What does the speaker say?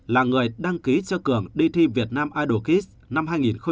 là người đăng ký cho cường đi thi việt nam idol kids năm hai nghìn một mươi sáu